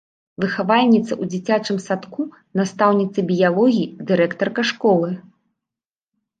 Выхавальніца ў дзіцячым садку, настаўніца біялогіі, дырэктарка школы.